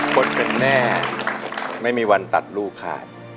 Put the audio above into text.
คนเป็นแม่ไม่มีวันตัดลูกขาด